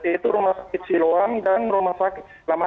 yaitu rumah sakit siloam dan rumah sakit lama